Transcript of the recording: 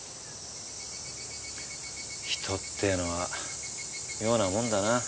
人っていうのは妙なもんだな。